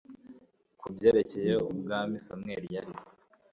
ku byerekeye ubwami samweli yari